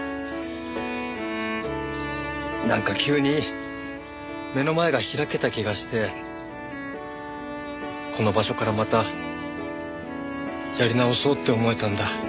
なんか急に目の前が開けた気がしてこの場所からまたやり直そうって思えたんだ。